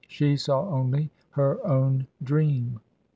She saw only her own dream.